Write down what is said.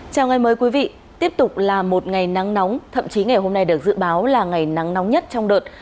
chào ngày mới quý vị tiếp tục là một ngày nắng nóng thậm chí ngày hôm nay được dự báo là ngày nắng nóng nhất trong đợt